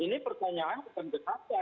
ini pertanyaan tentang kesehatan